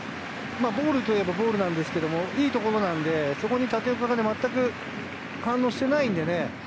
今のなんか、ボールといえばボールですけど、良いところなので、そこに立岡が全く反応してないんでね。